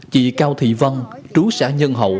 chị cao thị vân trú xã nhân hậu